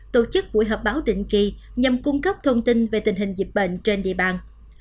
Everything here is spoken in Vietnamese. tổ chức buổi họp báo định kỳ nhằm cung cấp thông tin về tình hình dịch bệnh trên địa bàn